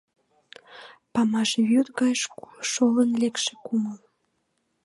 Памаш вӱд гай шолын лекше кумыл…